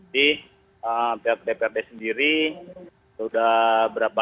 jadi pihak dprd sendiri sudah berapa